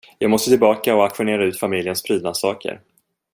Jag måste tillbaka och auktionera ut familjens prydnadssaker.